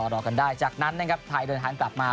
รอกันได้จากนั้นนะครับไทยเดินทางกลับมา